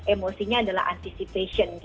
emosinya adalah anticipation